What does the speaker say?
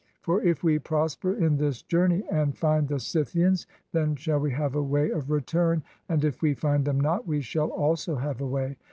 For if we prosper in this journey and find the Scythians, then shall we have a way of return, and if we find them not, we shall also have a way.